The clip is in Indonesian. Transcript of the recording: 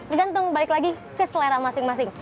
itu gantung balik lagi ke selera masing masing